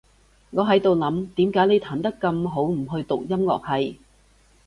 我喺度諗，點解你彈得咁好，唔去讀音樂系？